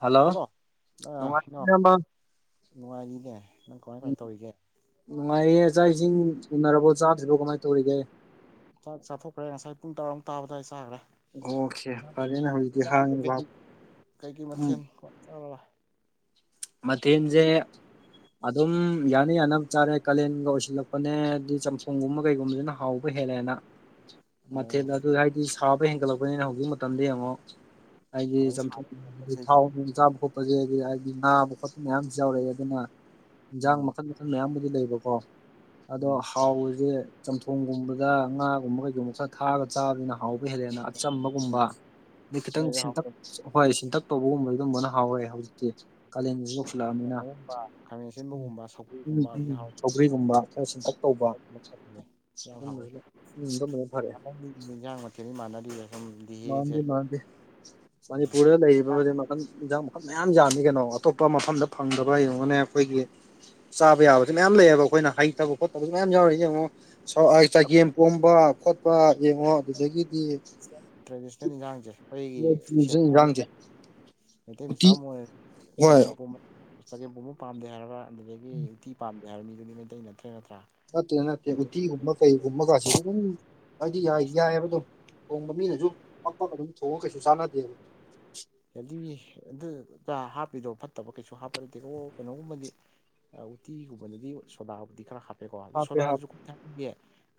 Hello ꯅꯨꯡꯉꯥꯏꯔꯤ ꯍꯜꯂꯣꯩꯅꯣ ꯏꯌꯥꯝꯕ ꯅꯨꯡꯉꯥꯏꯔꯤꯅꯦ ꯅꯪ ꯀꯃꯥꯏ ꯀꯃꯥꯏ ꯇꯧꯔꯤꯒꯦ꯫ ꯅꯨꯡꯉꯥꯏꯌꯦ ꯆꯥꯛ ꯏꯁꯤꯡ ꯎꯅꯔꯕꯣ ꯆꯥꯁꯤꯐꯣ ꯀꯃꯥꯏꯅ ꯇꯧꯔꯤꯒꯦ꯫ ꯥꯛ ꯆꯥꯊꯣꯛꯈ꯭ꯔꯦ ꯉꯁꯥꯏ ꯄꯨꯡ ꯇꯔꯥꯃꯨꯛ ꯇꯥꯕꯗ ꯑꯩ ꯆꯥꯈ꯭ꯔꯦ꯫ ꯑꯣꯀꯦ ꯐꯔꯦꯅꯦ ꯍꯧꯖꯤꯛꯇꯤ ꯍꯥꯡꯉꯤꯕ [unintelligible] ꯀꯩ ꯀꯩ ꯎꯝ ꯃꯊꯦꯜ ꯀꯃꯥꯏ ꯇꯧꯔꯕꯥ꯫ ꯃꯊꯦꯟꯖꯦ__ ꯑꯗꯨꯝ ꯌꯥꯅ ꯌꯥꯅꯕ ꯆꯥꯔꯦ ꯀꯥꯂꯦꯟꯒ ꯑꯣꯏꯁꯤꯜꯂꯛꯄꯅꯦ ꯑꯗꯨꯗꯤ ꯆꯝꯐꯣꯡꯒꯨꯝꯕ ꯀꯩꯒꯨꯝꯕꯕꯁꯤꯅ ꯍꯥꯎ__ ꯍꯦꯜꯂꯦꯅ ꯑꯣ ꯃꯊꯦꯜ ꯑꯗꯨ ꯍꯥꯏꯗꯤ ꯁꯥꯕ ꯍꯦꯟꯒꯠꯂꯛꯄꯅꯤꯅ ꯍꯧꯖꯤꯛ ꯃꯇꯝꯗ ꯌꯦꯡꯉꯣ꯫ ꯑꯩꯗꯤ ꯁꯥꯗꯤ ꯆꯝꯊ ꯁꯥꯔꯦ ꯉꯁꯤꯗꯤ ꯊꯥꯎ ꯆꯥꯕ ꯈꯣꯠꯄꯁꯦ ꯍꯥꯏꯗꯤ ꯑꯩꯗꯤ ꯅꯥ꯫ ꯈꯣꯠꯄ ꯃꯌꯥꯝꯁꯨ ꯌꯥꯎꯔꯛꯑꯦ ꯑꯗꯨꯅ ꯌꯦꯟꯖꯥꯡ ꯎꯝ ꯃꯈꯜ ꯃꯈꯜ ꯃꯌꯥꯝꯕꯨꯗꯤ ꯂꯩꯕꯀꯣ꯫ ꯑꯗꯣ ꯎꯝ ꯍꯥꯎꯁꯦ ꯆꯝꯊꯣꯡꯒꯨꯝꯕꯗ ꯉꯥꯒꯨꯝꯕꯒ ꯌꯣꯡꯆ__ ꯊꯥꯔꯒ ꯆꯥꯕꯅꯤꯅ ꯍꯥꯎꯕ ꯍꯦꯜꯂꯦꯅ ꯑꯆꯝꯕꯒꯨꯝꯕ ꯎꯝ ꯑꯗꯩ ꯈꯤꯇꯪ ꯅꯣꯏꯗꯤ ꯁꯤꯟꯇꯛ__ ꯍꯥꯎꯇꯦ ꯍꯍꯣꯏ ꯁꯤꯟꯇꯛ ꯇꯧꯕꯒꯨꯝꯕ ꯑꯗꯨꯝꯕꯅ ꯍꯥꯎꯔꯦ ꯍꯧꯖꯤꯛꯇꯤ ꯀꯥꯂꯦꯟꯒꯤ꯫ ꯀꯩꯅꯣꯒꯨꯝꯕ ꯈꯥꯃꯦꯟ ꯑꯁꯤꯟꯕꯒꯨꯝꯕ ꯎꯝ ꯁꯧꯒꯒꯨꯝꯕ ꯎꯝ ꯍꯥꯎꯗꯦ꯫ ꯁꯧꯒ꯭ꯔꯤꯒꯨꯝꯕ ꯈꯔ ꯁꯤꯟꯇꯛ ꯇꯧꯕ ꯌꯥꯝ ꯍꯥꯎꯋꯦ ꯑꯗꯨꯝꯕꯁꯤꯅ ꯎꯝ ꯑꯗꯨꯝꯕꯅ ꯐꯔꯦ ꯏꯟꯁꯥꯡ ꯃꯊꯦꯜꯅꯤ ꯃꯥꯟꯅꯗꯔ꯫ ꯃꯥꯟꯗꯦ ꯃꯥꯟꯗꯦ ꯃꯅꯤꯄꯨꯔꯗ ꯂꯩꯔꯤꯕꯗꯤ ꯃꯈꯟ ꯌꯥꯝ__ ꯃꯌꯥꯝ ꯌꯥꯝꯃꯤ ꯀꯩꯅꯣ ꯑꯇꯣꯞꯄ ꯃꯐꯝꯗ ꯐꯪꯗꯕ ꯌꯦꯡꯉꯅꯦ ꯑꯩꯈꯣꯏꯒꯤ꯫ ꯆꯥꯕ ꯌꯥꯕꯁꯨ ꯃꯌꯥꯝ ꯂꯩꯌꯦꯕ ꯑꯩꯈꯣꯏꯅ ꯍꯩꯇꯕ ꯈꯣꯠꯇꯕꯁꯨ ꯃꯌꯥꯝ ꯌꯥꯎꯔꯤ ꯌꯦꯡꯉꯣ꯫ ꯆꯒꯦꯝ ꯄꯣꯝꯕ ꯈꯣꯠꯄ ꯌꯦꯡꯉꯣ ꯑꯗꯨꯗꯒꯤꯗꯤ__ ꯇ꯭ꯔꯦꯗꯤꯁꯅꯦꯜ ꯌꯦꯟꯁꯥꯡꯁꯦ ꯑꯩꯒꯤ ꯆꯤꯟꯖꯥꯛ ꯁꯅꯤ ꯏꯟꯖꯥꯡꯁꯦ ꯃꯩꯇꯩ ꯃꯆꯥ ꯎꯇꯤ ꯑꯃꯥ ꯑꯣꯏꯔ ꯍꯣꯏ ꯆꯥꯒꯦꯝ ꯄꯣꯝ ꯆꯒꯦꯝꯄꯣꯕꯨ ꯄꯥꯝꯗꯦ ꯍꯥꯏꯔꯒ ꯑꯗꯨꯗꯒꯤ ꯎꯇꯤ ꯄꯥꯝꯗꯦ ꯍꯥꯏꯔ ꯃꯤꯗꯨꯗꯤ ꯃꯩꯇꯩ ꯅꯠꯇ꯭ꯔꯦ ꯅꯠꯇ꯭ꯔꯥ ꯅꯠꯇꯦ ꯅꯠꯇꯦ ꯃꯩꯇꯩ ꯎꯠꯇꯤꯒꯨꯝꯕ ꯀꯩꯒꯨꯝꯕ ꯀꯁꯤ ꯑꯗꯨꯝ ꯍꯥꯏꯗꯤ ꯕꯦꯁ ꯌꯥꯏꯑꯕ ꯑꯗꯨꯝ ꯊꯣꯡꯕ ꯃꯤꯅꯁꯨ ꯄꯛꯄꯒ ꯑꯗꯨꯝ ꯊꯣꯡꯉꯒ ꯀꯩꯁꯨ ꯆꯥꯟꯅꯗꯦꯕ ꯑꯗꯨ ꯍꯥꯞꯄꯤꯗꯣ ꯐꯠꯇꯕ ꯀꯩꯁꯨ ꯍꯥꯞꯄ ꯅꯗꯤꯀ ꯀꯩꯅꯣꯒꯨꯝꯕꯗꯤ ꯎꯇꯤꯒꯨꯝꯕꯅꯗꯤ ꯁꯣꯗꯥꯕꯨꯗꯤ ꯈꯔ ꯍꯥꯞꯄ ꯀꯣ ꯑꯗ ꯍꯥꯞꯄꯦ ꯁꯣꯗꯥꯗꯨꯁꯨ ꯍꯥꯞꯄꯦ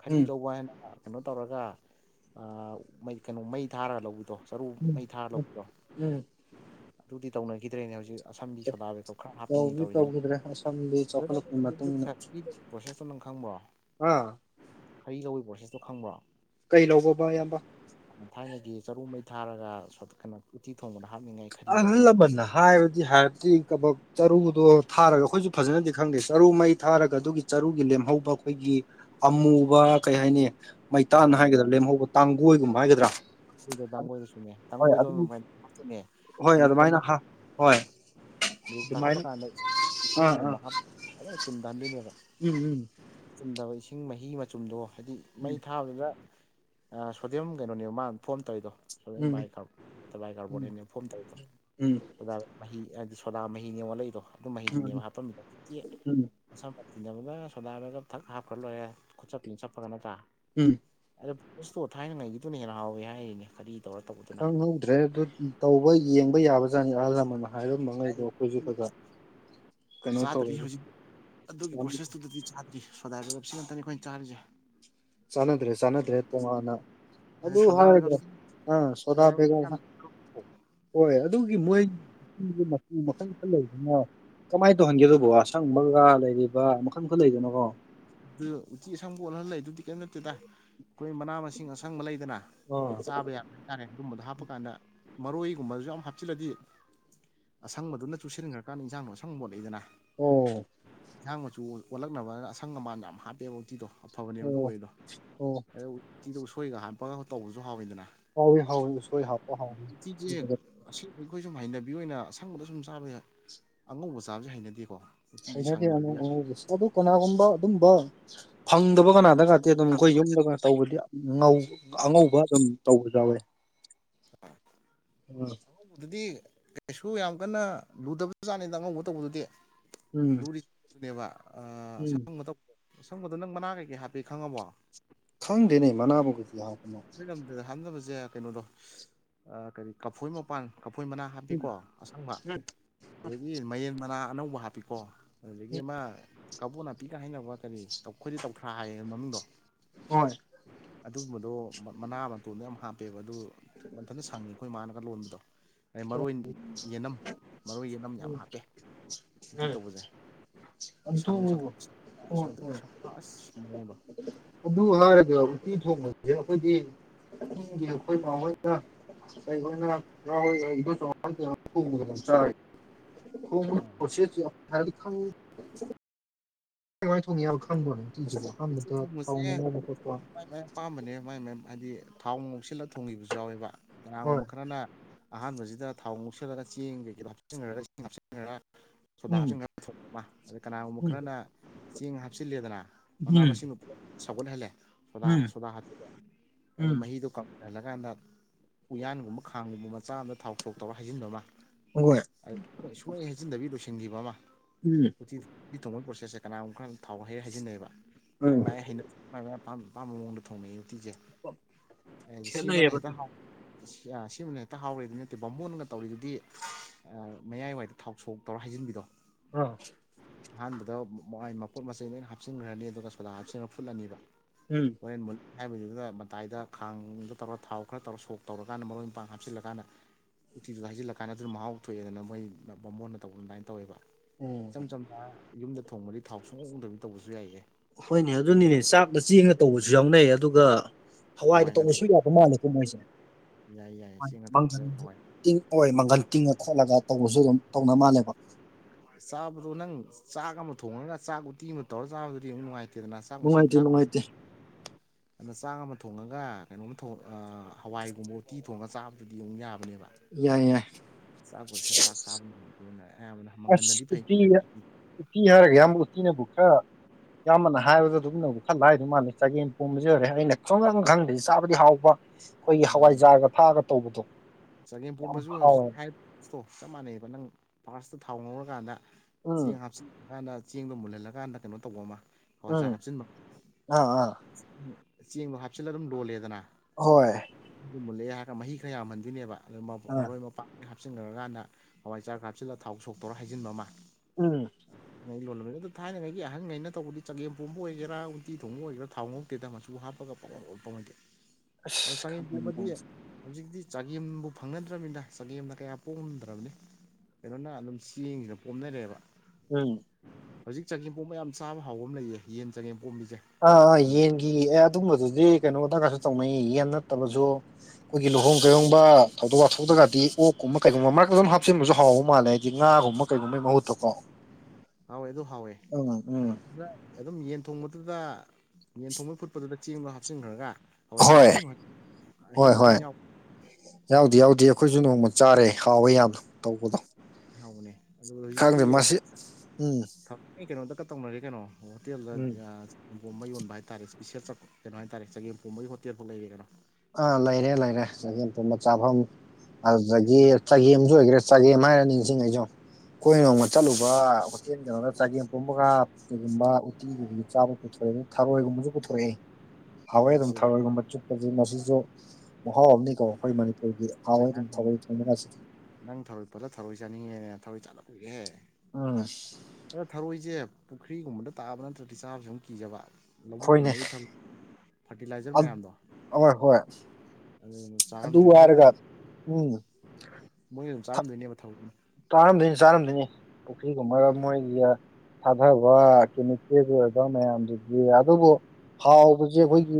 ꯈꯔꯤ ꯎꯝ ꯂꯧꯕ ꯍꯥꯏꯅ ꯀꯩꯅꯣ ꯇꯧꯔꯒ ꯃꯩ ꯀꯩꯅꯣ ꯃꯩ ꯊꯥꯔ ꯂꯧꯕꯤꯗꯣ ꯆꯔꯨ ꯎꯝ ꯃꯩ ꯊꯥꯔ ꯎꯝ ꯂꯧꯕꯤꯗꯣ ꯎꯝ ꯑꯗꯨꯗꯤ ꯇꯧꯅꯈꯤꯗ꯭ꯔꯦꯅꯦ ꯍꯧꯖꯤꯛ ꯑꯁꯝꯕꯤ ꯁꯣꯗꯥꯕꯦꯄꯣ ꯈꯔ ꯍꯥꯞꯄꯤꯅꯤ ꯇꯧꯗꯤ ꯇꯧꯔꯤꯁꯤ ꯇꯧꯈꯤꯗ꯭ꯔꯦ ꯑꯁꯝꯗꯤ ꯆꯥꯎꯈꯠꯂꯛꯄꯒꯤ ꯃꯇꯨꯡꯏꯟꯅ ꯐꯪ ꯈꯪꯕ꯭ꯔꯣ ꯑꯥ ꯍꯩ ꯂꯧꯏ ꯄ꯭ꯔꯣꯁꯦꯁꯇꯣ ꯈꯪꯕ꯭ꯔꯣ ꯀꯩ ꯂꯧꯕꯕ ꯏꯌꯥꯝꯕ ꯊꯥꯏꯅꯒꯤ ꯆꯔꯨ ꯃꯩ ꯊꯥꯔꯒ ꯀꯩꯅꯣ ꯎꯇꯤ ꯊꯣꯡꯕꯗ ꯍꯥꯞꯅꯤꯡꯉꯥꯏ ꯈꯔꯤ ꯑꯍꯜ ꯂꯧꯕꯗꯣ ꯂꯃꯟꯅ ꯍꯥꯏꯕꯗꯤ ꯍꯥꯏꯔꯕꯗꯤ ꯀꯕꯛ ꯇꯔꯨꯗꯣ ꯊꯥꯔꯒ ꯑꯩꯈꯣꯏꯁꯨ ꯐꯖꯅꯗꯤ ꯈꯪꯗꯦ ꯆꯔꯨ ꯃꯩ ꯊꯥꯔꯒ ꯑꯗꯨꯒꯤ ꯆꯔꯨꯒꯤ ꯂꯦꯝꯍꯧꯕ ꯑꯩꯈꯣꯏꯒꯤ ꯑꯃꯨꯕ ꯀꯩ ꯍꯥꯏꯅꯤ ꯃꯩꯇꯥꯟꯅ ꯍꯣꯏ ꯍꯥꯏꯒꯗ꯭ꯔꯥ ꯂꯦꯝꯍꯧꯕ ꯇꯥꯡꯒꯣꯏꯒꯨꯝꯕ ꯍꯥꯏꯒꯗ꯭ꯔꯥ ꯏꯥꯡꯒꯣꯏꯗꯣ ꯍꯣꯏ ꯑꯗꯨꯝ ꯁꯨꯝꯃꯦꯡꯒꯣꯏꯗꯣꯃꯦ ꯍꯣꯏ ꯃꯤꯔꯨꯛ ꯑꯗꯨꯃꯥꯏꯅ ꯑꯝꯗ ꯍꯥ ꯍꯣꯏ ꯃꯤꯔꯨꯞꯛꯇ ꯍꯥꯞꯄ ꯑꯗꯨꯃꯥꯏꯅ ꯀꯥꯟꯗ ꯑꯥ ꯑꯥ ꯏꯁꯤꯡꯒꯨꯝꯕ ꯍꯥ ꯑ ꯆꯗꯥꯗꯤꯅꯤ ꯎꯝ ꯎꯝ ꯃ ꯆꯨꯝꯗꯕ ꯏꯁꯤꯡ ꯃꯍꯤ ꯃꯆꯨꯝꯗꯣ ꯍꯥꯏꯗꯤ ꯃꯩ ꯊꯥꯕꯗꯨꯗ ꯁꯣꯗꯤꯦꯝ ꯀꯩꯅꯣꯅꯦ ꯃꯥꯅ ꯐꯣꯟ ꯇꯧꯔꯤꯗꯣ ꯎꯝ ꯁꯗꯥꯏ ꯀꯥꯕꯥꯏ ꯎꯝ ꯀꯥꯔꯄꯣꯅꯦ ꯐꯣꯝ ꯇꯧ ꯎꯝ ꯁ ꯃꯍꯤ ꯍꯥꯏꯗꯤ ꯁꯣꯗꯥ ꯃꯍꯤꯅꯦ ꯑꯣꯜꯂꯛꯏꯗꯣ ꯑꯗꯨꯝ ꯃꯍꯤꯗꯨꯅꯦꯕ ꯎꯝ ꯍꯥꯞꯄꯃꯤꯗ ꯎꯝ ꯃꯁꯞ ꯏꯕꯗ ꯁꯣꯗꯥ ꯕꯦꯒꯞ ꯊꯛ ꯍꯥꯞꯈ꯭ꯔ ꯂꯣꯏꯔꯦ ꯈꯨꯠ ꯆꯞꯄꯤꯅ ꯁꯠꯄ꯭ꯔꯒ ꯅꯠꯇ꯭ꯔꯥ ꯎꯝ ꯑꯗ ꯄꯁꯇꯣ ꯊꯥꯏꯅꯉꯩꯒꯤꯗꯨꯅ ꯍꯦꯟꯅ ꯍꯥꯎꯋꯦ ꯍꯥꯏꯔꯤꯅꯦ ꯀꯔꯤ ꯇꯧꯔ ꯇꯧꯕꯗꯨꯅ ꯈꯪꯍꯧꯗ꯭ꯔꯦ ꯑꯗꯨ ꯇꯧꯕ ꯌꯦꯡꯕ ꯌꯥꯕꯖꯥꯠꯅꯤ ꯑꯍꯜ ꯂꯃꯟꯅ ꯍꯥꯏꯔꯝꯃꯉꯩꯗꯣ ꯑꯩꯈꯣꯏꯁꯨ ꯈꯖ ꯆꯥꯗ꯭ꯔꯤ ꯍꯧꯖꯤꯛ ꯑꯗꯨꯒꯤ ꯄ꯭ꯔꯣꯁꯦꯁꯇꯨꯗꯗꯤ ꯆꯥꯗ꯭ꯔꯤ ꯀꯗꯥꯏꯗꯞ ꯁꯤ ꯉꯥꯛꯇꯅꯤ ꯑꯩꯈꯣꯏ ꯆꯥꯔꯤꯁꯦ ꯆꯥꯟꯗ꯭ꯔꯦ ꯆꯥꯟꯗ꯭ꯔꯦ ꯇꯣꯅ ꯑꯗꯨꯗ ꯁꯣꯗꯥ ꯍꯥꯏꯒ꯭ꯔ ꯕꯥꯏꯒꯞꯁꯤ ꯑ ꯁꯣꯗꯥ ꯦꯒ ꯍꯣꯏ ꯑꯗꯨꯒꯤ ꯃꯣꯏ ꯃꯆꯨ ꯃꯈꯜ ꯃꯈꯜ ꯂꯩꯕꯅ ꯀꯃꯥꯏꯅ ꯇꯧꯍꯟꯒꯦꯗꯕꯣ ꯑꯁꯪꯕꯒ ꯂꯩꯔꯤꯕ ꯃꯈꯜ ꯈꯔ ꯂꯩꯗꯅꯣꯀꯣ ꯑꯗꯨ ꯎꯆꯤ ꯑꯁꯪꯕ ꯑꯣꯜꯍꯜ ꯂꯩ ꯑꯗꯨꯗꯤ ꯀꯔꯤꯝ ꯅꯠꯇꯦꯗ ꯑꯩꯈꯣꯏ ꯃꯅꯥ ꯃꯁꯤꯡ ꯑꯁꯪꯕ ꯂꯩꯗꯅ ꯑꯥ ꯆꯥꯕ ꯌꯥꯕ ꯍꯥꯏꯇꯥꯔꯦ ꯑꯗꯨꯝꯕꯗꯣ ꯍꯥꯞꯄ ꯀꯥꯟꯗ ꯃꯔꯣꯏꯒꯨꯝꯕꯗꯨꯁꯨ ꯌꯥꯝ ꯍꯥꯞꯆꯤꯜꯂꯗꯤ ꯑꯁꯪꯕꯗꯨꯅ ꯆꯨꯁꯤꯟꯈ꯭ꯔꯀꯥꯟꯗ ꯏꯟꯖꯥꯡꯗꯣ ꯑꯁꯪ ꯃꯣꯠꯂꯏꯗꯅ ꯑꯣ ꯌꯦꯟꯁꯥꯡ ꯃꯆꯨ ꯑꯣꯜꯂꯛꯅꯕꯅ ꯑꯁꯪ ꯑꯃꯥꯟ ꯌꯥꯝ ꯍꯥꯞꯄꯦꯕ ꯎꯛꯇꯤꯗꯣ ꯑꯐꯕꯅꯦꯕꯗꯣ ꯑꯣ ꯑꯣꯏꯗꯣ ꯑꯣ ꯑ ꯎꯤꯗꯨ ꯁꯣꯏꯒ ꯍꯥꯞꯄꯒ ꯇꯧꯕꯁꯨ ꯍꯥꯎꯋꯤꯗꯅ ꯍꯥꯎꯏ ꯍꯥꯎꯏ ꯂꯁꯣꯏ ꯍꯥꯞꯄ ꯍꯥꯎꯏ ꯎꯇꯤꯁꯦ ꯑꯁꯤ ꯑꯩꯈꯣꯏ ꯁꯨꯝ ꯍꯩꯅꯕꯤ ꯑꯣꯏꯅ ꯑꯁꯪꯕꯗ ꯁꯨꯝ ꯆꯥꯕ ꯑꯉꯧꯕ ꯆꯥꯕꯁꯦ ꯍꯩꯅꯗꯦꯀꯣ ꯇꯤꯒꯤ ꯍꯩꯅꯗꯦ ꯑꯉꯧ ꯁꯪꯅꯗꯤꯂꯤꯌꯥ ꯑꯉꯧꯕꯁꯦ ꯑꯗꯨ ꯀꯅꯥꯒꯨꯝꯕ ꯑꯗꯨꯝꯕ ꯐꯪꯗꯕ ꯀꯅꯥꯗ ꯉꯇꯦ ꯑꯗꯨꯝ ꯑꯩꯈꯣꯏ ꯌꯨꯝꯗ ꯇꯧꯕꯗꯤ ꯑꯉꯧꯕ ꯑꯗꯨꯝ ꯇꯧꯕ ꯌꯥꯎꯋꯦ ꯎꯝ ꯑꯉꯧꯕꯗꯨꯗꯤ ꯀꯩꯁꯨ ꯌꯥꯝ ꯀꯟꯅ ꯂꯨꯗꯕ ꯆꯥꯠꯅꯤꯗ ꯑꯉꯧꯕ ꯇꯧꯕꯗꯨꯗꯤ ꯎꯝ ꯂꯨꯔꯤ ꯆꯅꯦꯕ ꯎꯝ ꯁꯪꯕ ꯇꯧꯕ ꯑꯁꯪꯕꯗꯣ ꯅꯪ ꯃꯅꯥ ꯀꯩꯀꯩ ꯍꯥꯞꯄꯤꯦ ꯈꯪꯉꯕꯣ ꯈꯪꯗꯦꯅꯦ ꯃꯅꯥꯅꯕꯒꯩꯁꯤꯦ ꯌꯥ ꯀꯩꯅꯣ ꯂꯝꯗꯗ ꯍꯥꯞꯅꯕꯁꯦ ꯀꯩꯅꯣꯗꯣ ꯀꯔꯤ ꯀꯐꯣꯏ ꯃꯄꯥꯟ ꯀꯐꯣꯏ ꯃꯅꯥ ꯎꯝ ꯍꯥꯞꯄꯤꯀꯣ ꯑꯁꯪꯕ ꯎꯝ ꯑꯗꯒꯤ ꯃꯌꯦꯟ ꯃꯅꯥ ꯑꯅꯧꯕ ꯍꯥꯞꯄꯤꯀꯣ ꯑꯗꯨꯗꯒꯤ ꯎꯝ ꯑꯃ ꯀꯥꯕꯣ ꯅꯥꯄꯤꯛꯒ ꯍꯥꯏꯅꯕ ꯀꯔꯤꯈꯣꯏꯗꯤ ꯇꯧꯊ꯭ꯔꯥ ꯍꯥꯏꯌꯦ ꯃꯅꯨꯡꯗꯣ ꯍꯣꯏ ꯑꯗꯨꯒꯨꯝꯕꯗꯣ ꯃꯅꯥ ꯃꯇꯣꯟꯗꯣ ꯌꯥꯝ ꯍꯥꯞꯄꯦꯕ ꯑꯗꯨ ꯃꯟꯊꯟꯇ ꯁꯪꯉꯤ ꯑꯩꯈꯣꯏ ꯃꯥꯅꯒ ꯂꯣꯟꯕꯗꯣ ꯑꯩꯩ ꯃꯔꯣꯏ ꯌꯦꯅꯝ ꯃꯔꯣꯏ ꯌꯦꯅꯝ ꯌꯥꯝ ꯎꯝ ꯍꯥꯞꯄꯦ ꯎꯇꯤ ꯇꯧꯕꯁꯦ ꯎꯝ ꯑꯗꯨ ꯍꯣꯏ ꯍꯣꯏ [unintelligible] ꯑꯗꯨ ꯍꯥꯏꯔꯒ ꯎꯇꯤ ꯊꯣꯡꯕꯁꯦ ꯑꯩꯈꯣꯏꯗꯤ ꯆꯤꯡꯒꯤ ꯑꯩꯈꯣꯏ ꯃꯍꯣꯏꯅ [unintelligible] [unintelligible] ꯀꯃꯥꯏꯅ ꯊꯅꯤ ꯍꯥꯏꯕ ꯈꯪꯕ꯭ꯔꯣ ꯎꯇꯤꯖꯦ ꯎꯆꯤ ꯑꯍꯥꯟꯕꯗ ꯊꯥꯎ ꯊꯣꯡꯕꯁꯦ ꯉꯧꯕ ꯎꯇꯤ ꯈꯣꯠꯄ ꯊꯣꯡꯕ ꯃꯥꯏ ꯃꯥꯏ ꯑꯄꯥꯝꯕꯅꯦ ꯃꯥꯏ ꯃꯥꯏ ꯍꯥꯏꯗꯤ ꯊꯥꯎ ꯉꯧꯁꯤꯜꯂ ꯊꯣꯡꯕꯁꯨ ꯌꯥꯎꯋꯦꯕ ꯍꯣꯏ ꯀꯅꯥꯥꯡꯒꯨꯝꯕ ꯈꯔꯅ ꯑꯍꯥꯟꯕꯁꯤꯗ ꯊꯥꯎ ꯉꯧꯁꯤꯜꯂꯒ ꯆꯦꯡ ꯀꯩꯀꯩꯗꯣ ꯍꯥꯞꯆꯤꯟꯈꯔꯒ ꯏꯁꯤꯡ ꯍꯥꯞꯆꯤꯟꯈꯔꯒ ꯁꯣꯗꯥ ꯎꯝ ꯍꯥꯞꯆꯤꯟ ꯈ ꯑꯗ ꯀꯅꯥꯒꯨꯝꯕ ꯎꯝ ꯈꯔꯅ ꯆꯦꯡ ꯍꯥꯞꯆꯤꯂꯦꯗꯅ ꯃꯅꯥ ꯎꯝ ꯃꯁꯤꯡ ꯁꯧꯒꯠꯍꯜꯂꯦ ꯁꯣꯗꯥ ꯎꯝ ꯁꯣꯗꯥ ꯑ ꯎꯝ ꯃꯍꯤꯗꯣ ꯀꯞꯍꯜꯂꯀꯥꯟꯗ ꯎꯌꯥꯟꯒꯨꯝꯕ ꯈꯥꯡꯒꯨꯝꯕ ꯃꯆꯥ ꯑꯃꯗ ꯊꯥꯎ ꯁꯣꯛ ꯇꯧꯔ ꯍꯥꯏꯖꯤꯟꯕ ꯑꯃ ꯍꯣꯏ ꯑꯩ ꯁꯨꯡꯍꯩ ꯍꯩꯖꯤꯟꯗꯕꯤ ꯂꯣꯏꯁꯤꯟꯈꯤꯕ ꯑꯃ ꯎꯝ ꯍꯧ ꯊꯣꯡꯕꯒꯤ ꯄ꯭ꯔꯣꯁꯦꯁꯁꯦ ꯀꯅꯥꯒꯨꯝꯕ ꯈꯔ ꯊꯥꯎ ꯍꯩꯔ ꯍꯥꯏꯖꯤꯟꯅꯩꯑꯕ ꯃꯥꯏ ꯎꯝ ꯃꯥꯏꯅ ꯃꯥꯏ ꯃꯥꯏꯝ ꯑꯄꯥꯝꯕ ꯃꯑꯣꯡꯗ ꯊꯣꯡꯅꯩ ꯎꯇꯤꯁꯦ ꯁꯤꯃꯅ ꯈꯦꯠꯅꯩꯌꯦꯕ ꯍꯦꯛꯇ ꯍꯥꯎ ꯁꯤꯃꯅ ꯍꯦꯛꯇ ꯍꯥꯎꯔꯦꯗꯤ ꯅꯠꯇꯦ ꯕꯝꯕꯣꯟꯅꯒ ꯇꯧꯔꯤꯗꯨꯗꯤ ꯃꯌꯥꯏꯋꯥꯏꯗ ꯊꯥꯎ ꯁꯣꯛ ꯇꯧꯔ ꯍꯥꯏꯖꯤꯟꯕꯤꯗꯣ ꯑꯥ ꯑꯍꯥꯟꯕꯗ ꯃ ꯃꯄꯣꯠ ꯃꯆꯩ ꯂꯣꯏꯅ ꯍꯥꯞꯆꯤꯟꯈ꯭ꯔꯅꯤ ꯑꯗꯨꯒ ꯁꯣꯗꯥ ꯍꯥꯞꯆꯤꯟꯈꯒ ꯐꯨꯠꯂꯅꯤꯕ ꯎꯝ ꯍꯣꯔꯦꯟ ꯃꯨꯠ ꯍꯥꯏꯕꯗꯨꯗ ꯃꯇꯥꯏꯗ ꯈꯥꯡꯗ ꯇꯧꯔꯒ ꯊꯥꯎ ꯈꯔ ꯇꯧꯔ ꯁꯣꯛ ꯇꯧꯔꯀꯥꯟꯗ ꯃꯔꯣꯏ ꯃꯄꯥꯡ ꯍꯥꯞꯆꯤꯜꯂꯀꯥꯟꯗ ꯎꯊꯤꯗꯨꯗ ꯍꯖꯤꯜꯂ ꯀꯥꯟꯗ ꯑꯗꯨꯝ ꯃꯍꯥꯎ ꯊꯣꯛꯑꯦꯗꯅ ꯃꯣꯏꯅ ꯕꯃꯣꯟꯅ ꯇꯧꯕ ꯑꯗꯨꯃꯥꯏꯅ ꯇꯧꯋꯦꯕ ꯎꯝ ꯏꯆꯝ ꯆꯝꯅ ꯌꯨꯝꯗ ꯊꯣꯡꯕꯗꯤ ꯊꯥꯎ ꯁꯨꯡ ꯉꯧꯗꯕꯤ ꯇꯧꯕꯁꯨ ꯌꯥꯏꯌꯦ ꯍꯣꯏꯅꯦ ꯑꯗꯨꯁꯨ ꯑꯗꯨꯅꯤꯅꯦ ꯆꯥꯛꯇ ꯆꯦꯡꯒ ꯇꯧꯕꯁꯨ ꯌꯥꯎꯅꯩ ꯑꯗꯨꯒ ꯍꯋꯥꯏꯗ ꯍꯋꯥꯏꯅ ꯇꯣꯡꯅꯁꯨ ꯇꯧꯕ ꯌꯥꯕ ꯃꯥꯜꯂꯦ ꯀꯨꯝꯍꯣꯏꯁꯦ ꯌꯥꯏ ꯌꯥꯏ ꯆꯦꯡꯅ ꯃꯥꯡ ꯇꯧꯕꯁꯨ ꯌꯥꯏ ꯍꯋꯥꯏ ꯍꯣꯏ ꯃꯪꯒꯟ ꯇꯤꯡꯉ ꯈꯣꯠꯂꯒ ꯇꯧꯕꯁꯨ ꯑꯗꯨꯝ ꯇꯧꯅ ꯃꯥꯜꯂꯦꯕ ꯆꯥꯕꯗꯣ ꯅꯪ ꯆꯥꯛ ꯑꯃ ꯊꯣꯡꯉꯒꯅ ꯆꯥꯛ ꯎꯇꯤ ꯑꯃ ꯇꯧꯔꯒ ꯆꯥꯕꯗꯨꯗꯤ ꯌꯥꯝ ꯉꯥꯏꯇꯦ ꯆꯦꯗꯅ ꯆꯥꯛ ꯃꯁꯦꯟ ꯅꯨꯡꯉꯥꯏꯇꯦ ꯆꯥꯛꯄꯁꯦ ꯅꯨꯡꯉꯥꯏꯇꯦ ꯑꯗꯨꯅ ꯆꯥꯛ ꯑꯃ ꯊꯣꯡꯉꯒ ꯀꯩꯅꯣꯝꯃ ꯊꯣꯡ ꯍꯋꯥꯏꯒꯨꯝꯕ ꯎꯇꯤ ꯊꯣꯡꯉꯒ ꯆꯥꯕꯗꯨꯗꯤ ꯑꯃꯨꯛ ꯌꯥꯕꯅꯦꯕ ꯌꯥꯏ ꯌꯥꯏ ꯆꯥꯛꯄꯣꯠꯁꯦ ꯆꯥꯛ ꯆꯥꯕ ꯑꯌꯥꯝꯕꯅ ꯃꯪꯒꯟꯅꯗꯤ ꯐꯩ ꯈꯜꯂꯦ ꯎꯠꯇꯤ ꯍꯥꯏꯔꯒꯦ ꯌꯥꯝ ꯎꯇꯤꯅꯕꯨ ꯈ꯭ꯔ ꯑꯌꯥꯝꯕꯅ ꯍꯥꯏꯕꯒ ꯑꯗꯨꯒꯝꯅꯕꯨ ꯈꯜꯂ ꯍꯥꯏꯗꯧ ꯃꯥꯜꯂꯦ ꯆꯒꯦꯝ ꯄꯣꯝꯕꯁꯤ ꯑꯣꯏꯔꯦ ꯑꯩꯅ ꯈꯨꯡꯒꯪ ꯈꯪꯗꯗꯤ ꯆꯥꯕꯗꯤ ꯍꯥꯎꯕ ꯑꯩꯈꯣꯏꯒꯤ ꯃꯥꯅꯤ ꯍꯋꯥꯏꯖꯥꯔꯒ ꯊꯥꯛꯑꯒ ꯇꯧꯕꯗꯣ ꯌꯥꯝ ꯍꯥꯎꯋꯦ ꯇ ꯆꯞ ꯃꯥꯟꯅꯩꯑꯕ ꯅꯪ ꯐꯥꯔꯁꯇꯣ ꯊꯥꯎ ꯉꯧꯔꯀꯥꯟꯗ ꯎꯝ ꯆꯦꯡ ꯍꯥꯞ ꯁꯤꯜꯂꯀꯥꯟꯗ ꯆꯦꯡꯗꯣ ꯃꯨꯜꯍꯜꯂꯀꯥꯟꯗ ꯀꯩꯅꯣ ꯇꯧꯕ ꯑꯃ ꯍꯋꯥꯏ ꯎꯝ ꯆꯥꯛ ꯍꯥꯞꯆꯤꯟꯕ ꯑꯥ ꯑꯥ ꯆꯦꯡꯗ ꯍꯥꯞꯆꯤꯜꯂ ꯑꯗꯨꯝ ꯂꯣꯜꯂꯦꯗꯅ ꯍꯣꯏ ꯑꯗꯨ ꯃꯨꯜꯂꯛꯑꯦ ꯍꯥꯏꯔꯒ ꯃꯍꯤ ꯈꯔ ꯌꯥꯝꯍꯟꯗꯣꯏꯅꯦꯕ ꯑꯥ ꯃꯔꯣꯏ ꯄꯥꯛ ꯍꯥꯞꯆꯤꯟꯈ꯭ꯔꯀꯥꯟꯗ ꯍꯋꯥꯏ ꯆꯔ ꯈꯔ ꯍꯥꯞꯆꯤꯜꯂꯒ ꯊꯥꯎ ꯁꯣꯛꯇꯧꯔ ꯍꯥꯏꯖꯤꯟꯕ ꯑꯃ ꯎꯝ ꯃꯍꯔ ꯂꯣꯜꯂꯝꯃꯤ ꯑꯗꯨꯗ ꯊꯥꯏꯅꯉꯩꯒꯤ ꯑꯍꯟꯈꯩꯅ ꯇꯧꯕꯗꯤ ꯆꯒꯦꯝꯄꯣꯝꯕ ꯑꯣꯏꯒꯦꯔꯥ ꯎꯇꯤ ꯊꯣꯡꯕ ꯑꯣꯏꯒꯦꯔꯥ ꯊꯥꯎꯉꯧ ꯃꯆꯨ ꯍꯥꯞꯄꯒ ꯄꯪꯊꯣꯡꯗ ꯊꯣꯉꯤ ꯑꯗꯣ ꯑꯁ ꯈꯪꯗꯦꯗ ꯆꯒꯦꯃꯄꯣꯝꯕꯗꯤ ꯇꯧꯔꯤꯁꯦ ꯍꯧꯖꯤꯛꯇꯤ ꯆꯒꯦꯝꯕꯨ ꯐꯪꯅꯗ꯭ꯔꯕꯅꯤꯅ ꯆꯒꯦꯝꯅ ꯀꯌꯥ ꯄꯣꯝꯗ꯭ꯔꯥꯕꯅꯤ ꯀꯩꯅꯣꯅ ꯑꯗꯨꯝ ꯆꯦꯡꯖꯤꯅ ꯄꯣꯝꯅꯔꯦꯕ ꯎꯝ ꯍꯧꯖꯤꯛ ꯆꯒꯦꯝ ꯄꯣꯝꯕ ꯌꯥꯝ ꯆꯥꯕ ꯍꯥꯎꯕ ꯑꯃ ꯂꯩꯌꯦ ꯌꯦꯟ ꯆꯒꯦꯝ ꯄꯣꯝꯕꯁꯦ ꯑꯥ ꯑꯥ ꯌꯦꯟꯒꯤ ꯑꯦ ꯑꯗꯨꯝꯕꯗꯨꯗꯤ ꯀꯩꯅꯣꯗꯒꯥꯁꯨ ꯇꯧꯅꯩꯌꯦ ꯌꯦꯟ ꯅꯠꯇꯕꯁꯨ ꯑꯩꯈꯣꯏꯒꯤ ꯂꯨꯍꯣꯡ ꯀꯩꯍꯣꯡꯕ ꯊꯧꯗꯣꯛ ꯋꯥꯊꯣꯛꯇꯒꯗꯤ ꯑꯣꯛ ꯀꯨꯝꯕ ꯀꯩꯒꯨꯝꯕ ꯃꯔꯛꯇ ꯑꯗꯨꯝ ꯍꯥꯞꯆꯤꯟꯕꯁꯨ ꯍꯥꯎꯕ ꯃꯥꯜꯂꯦ ꯍꯥꯏꯗꯤ ꯉꯥꯒꯨꯝꯕ ꯀꯩꯒꯨꯝꯕꯩ ꯃꯍꯨꯠꯇ ꯀꯣ ꯍꯥꯎꯋꯦ ꯑꯗꯨ ꯍꯥꯎꯋꯦ ꯎꯝ ꯑꯗꯨꯝ ꯌꯦꯟ ꯊꯣꯡꯕꯗꯨꯗ ꯌꯦꯟ ꯊꯣꯡꯕꯩ ꯐꯨꯠꯄꯗꯨꯗ ꯆꯦꯡꯗꯣ ꯍꯥꯞꯆꯤꯟꯈ꯭ꯔꯒ ꯍꯋꯥꯏꯖꯥꯔ ꯍꯣꯏ ꯍꯥꯞꯆꯤꯟ ꯍꯣꯏ ꯑꯍꯦꯟꯕ ꯀꯩꯝ ꯍꯣꯏ ꯌꯥꯎ ꯌꯥꯎꯗꯤ ꯌꯥꯎꯗꯦ ꯑꯩꯈꯣꯏꯁꯨ ꯅꯣꯡꯃ ꯆꯥꯔꯦ ꯍꯥꯎꯋꯦ ꯌꯥꯝꯅ ꯇꯧꯕꯗꯣ ꯍꯥꯎꯕꯅꯦ ꯑꯗꯨꯒ ꯍꯧꯖꯤꯛꯇꯤ ꯈꯪꯗꯦ ꯃꯁꯤ ꯎꯝ ꯃꯤ ꯀꯩꯅꯣꯗꯒ ꯇꯧꯅꯔꯦ ꯀꯩꯅꯣ ꯍꯣꯇꯦꯜꯗ ꯎꯝ ꯄꯣꯝꯕ ꯌꯣꯟꯕ ꯍꯥꯏꯇꯥꯔꯦ ꯏꯁꯄꯤꯁꯦꯜ ꯀꯩꯅꯣ ꯍꯥꯏ ꯇꯥꯔꯦ ꯆꯒꯦꯝꯄꯣꯝꯕꯩ ꯍꯣꯇꯦꯜꯐꯥꯎ ꯂꯩꯔꯦ ꯀꯩꯅꯣ ꯑꯥ ꯂꯩꯔꯦ ꯂꯩꯔꯦ ꯆꯒꯦꯝ ꯄꯣꯝꯕ ꯆꯥꯕꯝ ꯑꯗꯨꯗꯒꯤ ꯆꯒꯦꯝꯄꯣꯝ ꯆꯒꯦꯝꯁꯨ ꯑꯣꯏꯒ꯭ꯔꯦ ꯆꯒꯦꯝ ꯍꯥꯏꯔ ꯅꯤꯡꯁꯤꯡꯉꯛ ꯏꯁꯦ ꯌꯦꯡꯉꯣ ꯑꯩꯈꯣꯏ ꯅꯣꯡꯃ ꯆꯠꯂꯨꯕ ꯍꯣꯇꯦꯜ ꯗꯅ ꯆꯒꯦꯝ ꯄꯣꯝꯕꯒ ꯀꯩꯒꯨꯝꯕ [unintelligible] ꯆꯥꯕ ꯄꯨꯊꯣꯔꯛꯏ ꯊꯔꯣꯏꯒꯨꯝꯕꯁꯨ ꯄꯨꯊꯣꯔꯛꯑꯦ ꯍꯥꯎꯋꯦ ꯑꯗꯨꯝ ꯑꯁꯤꯗꯩ ꯊꯔꯣꯏꯒꯨꯝꯕ ꯆꯨꯞꯄꯁꯦ ꯃꯁꯤꯁꯨ ꯃꯍꯥꯎ ꯑꯃꯅꯤꯀꯣ ꯑꯩꯈꯣꯏ ꯃꯅꯤꯄꯨꯔ ꯑꯩꯈꯣꯏꯒꯤ ꯍꯥꯎꯋꯦ ꯑꯗꯨꯝ ꯊꯧꯔꯣꯏ ꯊꯣꯡꯕꯀꯥꯏꯁꯦ ꯑꯗꯨꯝ ꯅꯪ ꯊꯥꯔꯣꯏ ꯄꯜꯂꯒ ꯊꯥꯔꯣꯏ ꯆꯥꯅꯤꯡꯉꯦꯍꯦ ꯊꯥꯔꯣꯏ ꯆꯥꯗ ꯀꯨꯏꯔꯦꯍꯦ ꯎꯝ ꯑꯗꯣ ꯊꯔꯣꯏꯁꯦ ꯄꯨꯈ꯭ꯔꯤꯒꯨꯝꯕꯗ ꯇꯥꯕ ꯅꯠꯇ꯭ꯔꯗꯤ ꯆꯥꯕꯁꯦ ꯑꯃꯨꯛ ꯀꯤꯖꯕ ꯂꯧꯕꯨꯛ ꯍꯣꯏꯅꯦ ꯀꯨꯝꯕꯒꯤ ꯐꯔꯇꯤꯂꯥꯏꯖꯔ ꯃꯌꯥꯝꯗꯣ ꯍꯣꯏ ꯍꯣꯏ ꯑꯗꯨ ꯍꯥꯏꯔꯒ ꯎꯝ ꯃꯣꯏꯁꯨ ꯑꯗꯨꯝ ꯆꯥꯔꯝꯗꯣꯏꯅꯦꯕ ꯊꯔꯣꯏ ꯆꯥꯔꯝꯗꯣꯏꯅꯤ ꯆꯥꯔꯝꯗꯣꯏꯅꯤ ꯄꯨꯈ꯭ꯔꯤꯒꯨꯝꯕꯒ ꯃꯣꯏꯒꯤꯒ ꯊꯥꯙꯕ ꯀꯦꯃꯤꯀꯦꯜꯒꯤ ꯑꯣꯏꯕ ꯃꯌꯥꯝꯗꯨꯗꯤ ꯑꯗꯨꯕꯨ ꯍꯥꯎꯕꯁꯦ ꯑꯩꯈꯣꯏꯒꯤ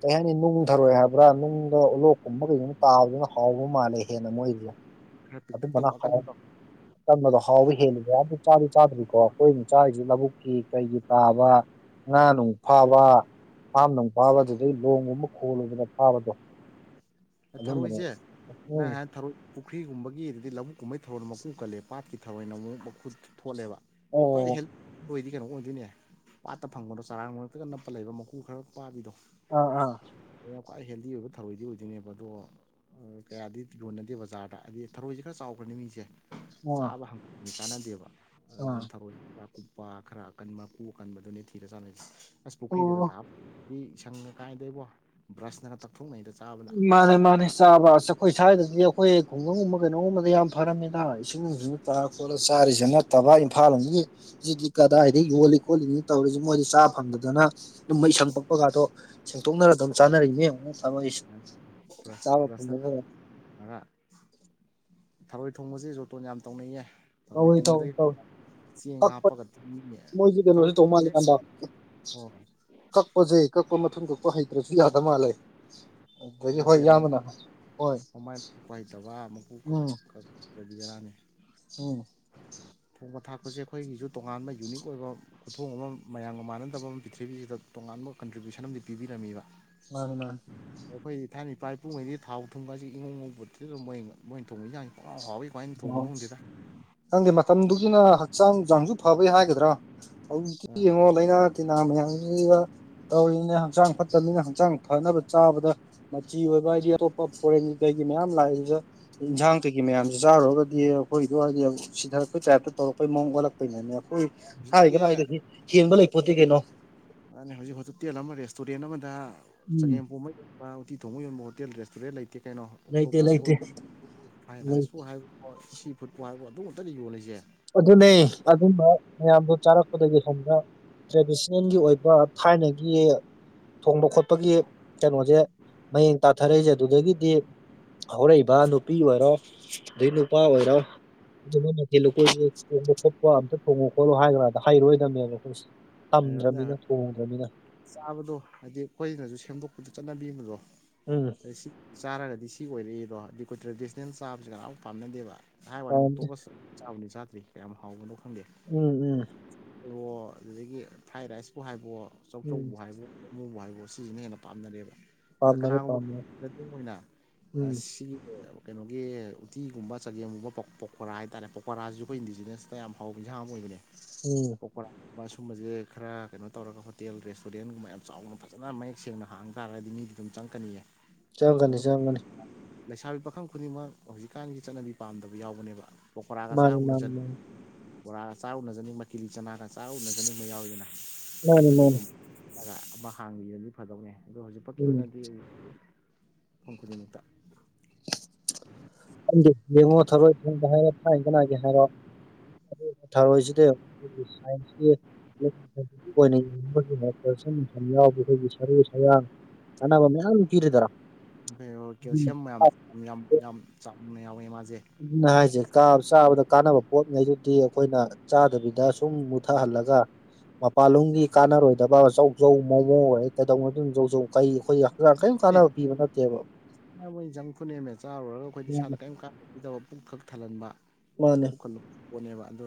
ꯀꯩ ꯍꯥꯏꯅꯤ ꯅꯨꯡ ꯊꯔꯣꯏ ꯍꯥꯏꯕ꯭ꯔꯥ ꯅꯨꯡꯗ ꯂꯣꯛꯀꯨꯝꯕ ꯀꯩꯒꯨꯝꯕꯗ ꯇꯥꯕꯗꯨꯅ ꯍꯥꯎꯕ ꯃꯥꯜꯂꯦ ꯍꯦꯟꯅ ꯃꯣꯏꯗꯤ [unintelligible] ꯈꯔ ꯄꯤꯛꯇꯛ ꯑꯗꯨꯝꯕꯅ ꯇꯧꯕ ꯍꯥꯎ ꯑꯀꯟꯕꯗꯣ ꯀꯟꯕꯗꯣ ꯍꯥꯎꯕ ꯍꯦꯜꯂꯤꯕ꯭ꯔꯥ ꯑꯗꯣ ꯆꯥꯗꯤ ꯆꯥꯗ꯭ꯔꯤꯀꯣ ꯑꯈꯣꯏꯒꯤ ꯆꯥꯔꯤꯖꯤ ꯂꯧꯕꯨꯛꯀꯤ ꯀꯩꯒꯤ ꯇꯥꯕ ꯉꯥ ꯅꯨꯡ ꯐꯥꯕ ꯐꯥꯝ ꯅꯨꯡ ꯐꯥꯕ ꯑꯗꯨꯗꯩ ꯂꯣꯡꯒꯨꯝꯕ ꯈꯣꯜꯂꯨꯕꯗ ꯐꯥꯕꯗꯣ ꯑꯗꯨꯝꯕꯅꯦ ꯊꯔꯣꯏꯖꯦ ꯅꯪ ꯎꯝ ꯍꯥꯏ ꯄꯨꯈ꯭ꯔꯤꯒꯨꯝꯕꯒꯤ ꯑꯗꯨꯗꯩꯩ ꯂꯧꯕꯨꯛ ꯀꯨꯝꯕꯩ ꯊꯔꯣꯏꯅ ꯃꯀꯨ ꯀꯜꯂꯦ ꯄꯥꯠꯀꯤ ꯊꯔꯣꯏꯅ ꯑꯃꯨꯛ ꯃꯀꯨ ꯊꯣꯠꯂꯦꯕ ꯈꯋ꯭ꯥꯏꯗꯩ ꯑꯣ ꯍꯦꯜ ꯑꯣꯏꯗꯤ ꯀꯩꯅꯣ ꯑꯣꯏꯗꯣꯏꯅꯦ ꯄꯥꯠꯇ ꯐꯪꯕꯗꯣ ꯆꯔꯥꯡ ꯃꯔꯛꯇꯒ ꯅꯞꯄ ꯂꯩꯕ ꯃꯀꯨ ꯈꯔ ꯄꯥꯕꯤꯗꯣ ꯑꯥ ꯑꯥ ꯈ꯭ꯋꯥꯏ ꯍꯦꯜꯗꯤ ꯑꯣꯏꯕ ꯊꯔꯣꯏꯗꯤ ꯑꯣꯏꯗꯣꯏꯅꯦꯕ ꯑꯗꯣ ꯀꯌꯥꯗꯤ ꯌꯣꯟꯅꯗꯦ ꯕꯖꯥꯔꯗ ꯍꯥꯏꯗꯤ ꯊꯔꯣꯏꯖꯦ ꯈꯔ ꯆꯥꯎꯈ꯭ꯔꯗꯤ ꯃꯤꯖꯦ ꯑꯥ ꯆꯥꯕ ꯍꯪꯒꯣꯏꯗꯅ ꯆꯥꯟꯅꯗꯦꯕ ꯑꯗꯥ ꯑꯥ ꯑꯀꯨꯞꯄ ꯈꯔ ꯑꯀꯟꯕ ꯃꯀꯨ ꯑꯀꯟꯕꯗꯨꯅꯦ ꯊꯤꯔ ꯆꯥꯟꯅꯩꯁꯦ ꯑꯁ ꯄꯨꯈ꯭ꯔꯤꯗꯒ ꯑꯣ ꯇꯥꯕ ꯃꯤ ꯏꯁꯪꯒ ꯀꯥꯏꯗꯩꯕꯣ ꯕ꯭ꯔꯁꯅ ꯇꯛꯊꯣꯛꯅꯩꯗ ꯆꯥꯕꯗ ꯃꯥꯅꯦ ꯃꯥꯅꯦ ꯆꯥꯕ ꯍꯥꯏꯁꯦ ꯑꯩꯈꯣꯏ ꯁ꯭ꯋꯥꯏꯗꯗꯤ ꯑꯩꯈꯣꯏ ꯈꯨꯡꯒꯪꯒꯨꯝꯕ ꯀꯩꯅꯣꯒꯨꯝꯕꯗꯤ ꯌꯥꯝ ꯐꯔꯝꯅꯤꯗ ꯏꯁꯤꯡ ꯅꯨꯡ ꯁꯤꯡ ꯇꯥꯔ ꯈꯣꯠꯂ ꯆꯥꯔꯤꯁꯤ ꯅꯠꯇꯕ ꯏꯝꯐꯥꯜ ꯂꯣꯝꯗꯒꯤ ꯁꯤꯗꯤ ꯀꯗꯥꯏꯗ ꯌꯣꯜꯂꯤ ꯈꯣꯠꯂꯤ ꯇꯧꯔꯤꯁꯦ ꯃꯣꯏꯗꯤ ꯆꯥ ꯐꯪꯗꯗꯅ ꯑꯗꯨꯒꯨꯝꯕ ꯏꯁꯪ ꯄꯛꯄꯒꯥꯗꯣ ꯁꯦꯡꯇꯣꯛꯅꯔ ꯑꯗꯨꯝ ꯆꯥꯅꯔꯤꯅꯦ ꯊꯔꯣꯏꯁꯦ ꯁꯁ ꯑ [unintelligible] ꯊꯔꯣꯏ ꯊꯣꯡꯕꯁꯦ ꯖꯣꯇꯣꯟ ꯌꯥꯝ ꯇꯧꯅꯩꯌꯦ ꯇꯧ ꯊꯔꯣꯏ ꯏꯇꯥꯎ ꯇꯤꯡꯕꯗꯒꯤ ꯇꯧ ꯆꯦꯡ ꯍꯥꯞꯄꯒ ꯊꯝꯃꯤꯅꯦ ꯀꯩꯅꯣꯁꯨ ꯇꯧ ꯃꯥꯜꯂꯦ ꯏꯌꯥꯝꯕ ꯍꯣꯏ ꯀꯛꯄꯁꯦ ꯀꯛꯄ ꯃꯊꯨꯟ ꯀꯛꯄ ꯍꯩꯇ꯭ꯔꯁꯨ ꯌꯥꯗ ꯃꯥꯜꯂꯦ ꯑꯗꯨꯗꯒꯤ ꯍꯣꯏ ꯌꯥꯗꯦ ꯏꯌꯥꯝꯕꯅ ꯍꯣꯏ ꯃꯃꯥꯏ ꯀꯛꯄ ꯍꯩꯇꯕ ꯃꯀꯨ ꯎꯝ [unintelligible] ꯎꯝ ꯊꯣꯡꯕ ꯊꯥꯛꯄꯁꯦ ꯑꯩꯈꯣꯏꯒꯤꯁꯨ ꯇꯣꯉꯥꯟꯕ ꯌꯨꯅꯤꯛ ꯑꯣꯏꯕ ꯈꯨꯊꯣꯡ ꯑꯃ ꯃꯌꯥꯝꯒ ꯃꯥꯟꯅꯗꯕ ꯑꯃ ꯄ꯭ꯔꯤꯊꯤꯕꯤꯁꯤꯗ ꯇꯣꯉꯥꯟꯕ ꯀꯟꯇ꯭ꯔꯤꯕ꯭ꯌꯨꯁꯟ ꯑꯃꯗꯤ ꯄꯤꯕꯤꯔꯝꯃꯤꯕ ꯃꯥꯅꯤ ꯃꯥꯅꯤ ꯑꯩꯈꯣꯏ ꯊꯥꯏꯅꯩ ꯏꯄꯥ ꯏꯄꯨꯉꯩꯗꯤ ꯊꯥꯎ ꯊꯨꯝꯒꯥꯖꯤ ꯏꯉꯧ ꯉꯧꯄꯣꯟꯇꯦꯗ ꯃꯣꯏ ꯃꯣꯏ ꯊꯣꯡꯕ ꯍꯤꯟꯖꯥꯡꯖꯦ ꯄꯨꯡꯍꯥꯎ ꯍꯥꯎꯋꯤ ꯀꯃꯥꯏꯟ ꯊꯣꯡꯕꯅꯣ ꯈꯪꯗꯦꯗꯥ ꯈꯪꯗꯦ ꯃꯇꯝꯗꯨꯒꯤꯅ ꯍꯛꯆꯥꯡ ꯅꯨꯡꯖꯥꯡꯖꯨ ꯐꯕꯩ ꯍꯥꯏꯒꯗ꯭ꯔꯥ ꯍꯧꯖꯤꯛꯇꯤ ꯑꯥ ꯌꯦꯡꯉꯣ ꯂꯥꯏꯅꯥ ꯇꯤꯟꯅꯥ ꯃꯌꯥꯝꯁꯤꯒ ꯇꯧꯔꯤꯅꯦ ꯍꯛꯆꯥꯡ ꯐꯠꯇꯕꯅꯤꯅ ꯍꯛꯆꯥꯡ ꯐꯅꯕ ꯆꯥꯕꯗ ꯃꯆꯤ ꯑꯣꯏꯕ ꯍꯥꯏꯗꯤ ꯑꯇꯣꯞꯄ ꯐꯣꯔꯦꯟꯒꯤ ꯀꯩꯒꯤ ꯃꯌꯥꯝ ꯂꯥꯛꯏꯖꯦ ꯏꯟꯖꯥꯡ ꯀꯩꯒꯤ ꯃꯌꯥꯝ ꯁꯤ ꯆꯥꯔꯨꯔꯒꯗꯤ ꯑꯩꯈꯣꯏꯗꯨ ꯍꯥꯏꯗꯤ ꯁꯤꯊꯔꯛꯄꯩ ꯇꯥꯏꯞꯇ ꯇꯧꯔꯛꯄꯩ ꯃꯑꯣꯡ ꯑꯣꯜꯂꯛꯄꯩꯅꯤꯅꯦ ꯑꯩꯈꯣꯏ ꯍꯥꯏꯒꯦꯅ ꯍꯧꯖꯤꯛꯇꯤ ꯍꯥꯏꯗꯗꯤ ꯍꯦꯟꯕ ꯂꯩꯄꯣꯠꯇꯦ ꯀꯩꯅꯣ ꯃꯥꯅꯦ ꯍꯧꯖꯤꯛ ꯍꯣꯇꯇꯦꯜ ꯑꯃ ꯔꯦꯁꯇꯨꯔꯦꯟ ꯑꯃꯗ ꯎꯝ ꯆꯒꯦꯝꯄꯣꯝꯕ ꯒꯨꯝꯕ ꯎꯇꯤ ꯊꯣꯡꯕ ꯌꯣꯟꯕ ꯍꯣꯇꯦꯜ ꯔꯦꯁꯇꯨꯔꯦꯟ ꯂꯩꯇꯦ ꯀꯩꯅꯣ ꯂꯩꯇꯦ ꯑꯇꯣꯞꯄꯁ ꯂꯩꯇꯦ ꯐ꯭ꯔꯥꯏꯔꯥꯏꯁꯄꯨ ꯍꯥꯏ ꯍꯣꯏ ꯁꯤ ꯐꯨꯠꯄꯨ ꯍꯥꯏꯕ꯭ꯔꯣ ꯑꯗꯨ ꯉꯥꯛꯇꯅꯤ ꯌꯣꯜꯂꯤꯖꯦ ꯑꯗꯨꯅꯦ ꯑꯗꯨꯝꯕ ꯃꯌꯥꯝꯗꯨ ꯆꯥꯔꯛꯄꯗꯒꯤ ꯁꯣꯝꯗ ꯇ꯭ꯔꯦꯗꯤꯁꯅꯦꯜꯒꯤ ꯑꯣꯏꯕ ꯊꯥꯏꯅꯒꯤ ꯊꯣꯡꯕ ꯈꯣꯠꯄꯒꯤ ꯀꯩꯅꯣꯁꯦ ꯃꯌꯦꯡ ꯇꯥꯊꯔꯛꯏꯁꯦ ꯑꯗꯨꯗꯒꯤꯗꯤ ꯍꯧꯔꯛꯏꯕ ꯅꯨꯄꯤ ꯑꯣꯏꯔꯣ ꯑꯗꯩꯩ ꯅꯨꯄꯥ ꯑꯣꯏꯔꯣ ꯑꯗꯨꯝꯕ ꯃꯊꯦꯜ ꯂꯨ [unintelligible] ꯊꯣꯡꯕ ꯈꯣꯠꯄ ꯑꯝꯇ ꯊꯣꯡꯉꯣ ꯈꯣꯠꯂꯣ ꯍꯥꯏꯔꯀꯥꯟꯗ ꯍꯩꯔꯔꯣꯏꯗꯕꯅꯦꯕ ꯑꯩꯈꯣꯏꯁꯦ ꯑꯗꯨꯅ ꯇꯝꯗ꯭ꯔꯝꯅꯤꯅ ꯊꯣꯡꯗ꯭ꯔꯝꯅꯤꯅ ꯆꯥꯕꯗꯣ ꯍꯥꯏꯗꯤ ꯑꯩꯈꯣꯏꯅꯁꯨ ꯁꯦꯝꯗꯣꯛꯄꯗꯣ ꯆꯠꯅꯕꯤꯃꯗꯣ ꯎꯝ ꯑꯗꯩ ꯁꯤ ꯆꯥꯔꯒꯗꯤ ꯁꯤ ꯑꯣꯏꯔꯛꯏꯗꯣ ꯑꯗꯨ ꯑꯩꯈꯣꯏ ꯇ꯭ꯔꯦꯗꯤꯁꯅꯦꯜ ꯆꯥꯕꯁꯤ ꯀꯅꯥꯝ ꯄꯥꯝꯅꯗꯦꯕ ꯍꯥꯏꯕ ꯋꯥꯅꯤ ꯄꯥꯝꯗꯦ ꯑꯣꯛꯇꯣꯄꯁ ꯆꯥꯕꯨꯗꯤ ꯆꯥꯗ꯭ꯔꯤ ꯀꯌꯥꯝ ꯍꯥꯎꯕꯅꯣ ꯈꯪꯗꯦ ꯎꯝ ꯎꯝ ꯑꯗꯨꯗꯒꯤ ꯐ꯭ꯔꯥꯏ ꯔꯥꯏꯁꯄꯨ ꯍꯥꯏꯕꯋꯣ ꯎꯝ ꯆꯧꯆꯧꯕꯨ ꯍꯥꯏꯕꯋꯣ ꯑꯃꯕꯨ ꯍꯥꯏꯕꯋꯣ ꯁꯤꯖꯤꯅ ꯍꯦꯟꯅ ꯄꯥꯝꯅꯔꯦꯕ ꯑꯗꯣ ꯄꯥꯝꯅꯔꯦ ꯀꯅꯥꯒꯨꯝꯕ ꯄꯥꯝꯅꯔꯦ [unintelligible] ꯑꯣꯏꯅ ꯎꯝ ꯁꯤꯒꯤ ꯀꯩꯅꯣꯒꯤ ꯎꯇꯤꯒꯨꯝꯕ ꯆꯒꯦꯝꯒꯨꯝꯕ ꯄꯀꯣꯔꯥ ꯍꯥꯏꯇꯥꯥꯔꯦ ꯄꯀꯣꯔꯥꯖꯤꯖꯨ ꯑꯩꯈꯣꯏ ꯏꯟꯗꯤꯖꯤꯅꯁꯇ ꯌꯥꯝ ꯍꯥꯎꯕ ꯌꯦꯟꯁꯥꯡ ꯑꯃ ꯑꯣꯏꯕꯅꯦ ꯎꯝ ꯄꯀꯣꯔꯥ ꯁꯨꯝꯕꯖꯦ ꯈꯔ ꯀꯩꯅꯣ ꯇꯧꯔꯒ ꯍꯣꯇꯦꯜ ꯔꯦꯁꯇꯨꯔꯦꯟꯒꯨꯝꯕ ꯌꯥꯝ ꯆꯥꯎꯅ ꯐꯖꯅ ꯃꯌꯦꯛ ꯁꯦꯡꯅ ꯍꯥꯡ ꯇꯥꯔꯒꯗꯤ ꯃꯤꯗꯤ ꯑꯗꯨꯝ ꯆꯪꯉꯛꯀꯅꯤꯌꯦ ꯆꯪꯒꯅꯤ ꯑꯗꯨ ꯆꯪꯒꯅꯤ ꯂꯩꯁꯥꯕꯤ ꯄꯥꯈꯪ ꯈꯨꯗꯤꯡꯃꯛ ꯍꯧꯖꯤꯛꯀꯥꯟꯒꯤ ꯆꯠꯅꯕꯤ ꯄꯥꯝꯗꯕ ꯌꯥꯎꯕꯅꯦꯕ ꯄꯀꯣꯔꯥꯒ ꯆꯥꯔ ꯃꯥꯅꯤ ꯃꯥꯅꯤ ꯃꯥꯅꯤ ꯎꯅꯖꯅꯤꯡꯕ ꯕꯣꯔꯥꯒ ꯆꯥꯔ ꯎꯅꯖꯅꯤꯡꯕ ꯀꯤꯂꯤꯆꯅꯥꯒ ꯆꯥꯔ ꯎꯅꯖꯅꯤꯡꯕ ꯌꯥꯎꯏꯗꯅꯥ ꯃꯥꯅꯤ ꯃꯥꯅꯤ ꯑꯗꯨꯒꯨꯝꯕ ꯑꯃ ꯍꯥꯡꯕꯤꯔꯗꯤ ꯐꯗꯧꯅꯦ ꯑꯗꯣ ꯍꯧꯖꯤꯛꯐꯛꯀꯤ ꯎꯝ ꯑꯣꯏꯅꯗꯤ ꯃꯐꯝ ꯈꯨꯗꯤꯡꯃꯛꯇ ꯈꯪꯗꯦ ꯌꯦꯡꯉꯣ ꯊꯔꯣꯏ ꯊꯣꯡꯕ ꯍꯥꯏꯔꯣ ꯊꯥꯏꯅꯗꯅꯒꯦ ꯍꯥꯏꯔꯣ ꯊꯔꯣꯏꯁꯤꯗ ꯑꯩꯈꯣꯏꯒꯤ ꯁꯥꯏꯟꯁꯀꯤ [unintelligible] ꯌꯥꯎꯕ ꯑꯩꯈꯣꯏꯒꯤ ꯁꯔꯨ ꯁꯌꯥꯡ ꯀꯥꯟꯅꯕ ꯃꯌꯥꯝ ꯄꯤꯔꯤꯗꯔ ꯕꯦꯔꯣ ꯀꯦꯜꯁꯤꯌꯝ ꯃꯌꯥꯝ ꯌꯥꯝ ꯌꯥꯝ ꯆꯥꯎꯅ ꯌꯥꯎꯋꯦ ꯃꯥꯖꯦ ꯑꯗꯨꯅꯦ ꯍꯥꯏꯁꯦ ꯀꯥꯕ ꯆꯥꯕꯗ ꯀꯥꯟꯅꯕ ꯄꯣꯠꯉꯩꯗꯨꯗꯤ ꯑꯩꯈꯣꯏꯅ ꯆꯥꯗꯕꯤꯗ ꯁꯨꯝ ꯃꯨꯊꯍꯜꯂꯒ ꯃꯄꯥꯟꯂꯣꯝꯒꯤ ꯀꯥꯟꯅꯔꯣꯏꯗꯕ ꯆꯧ ꯆꯧ ꯃꯣꯃꯣꯒꯥꯖꯦ ꯀꯩꯗꯧꯅꯗꯣꯏꯅꯣ ꯆꯧꯆꯧ ꯀꯩ ꯑꯈꯣꯏ ꯑꯦ ꯃꯣꯏꯖꯦ ꯖꯪꯛ ꯐꯨꯗꯅꯦꯃꯦ ꯆꯥꯔꯨꯔꯒ ꯑꯩꯈꯣꯏꯗ ꯃꯥꯅꯦ ꯏꯁꯥꯗ ꯀꯔꯤꯝ ꯀꯥꯟꯅꯗꯕ ꯄꯨꯛꯈꯛ ꯊꯜꯍꯟꯕ ꯃꯥꯅꯦ ꯄꯨꯈꯠꯂ ꯄꯣꯠꯅꯦꯕ ꯑꯗꯣ